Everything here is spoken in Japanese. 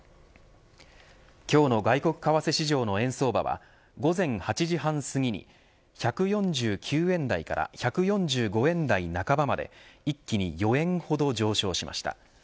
今日の外国為替市場の円相場は午前８時半すぎに１４９円台から１４５円台半ばまで一気に４円ほど上昇しました。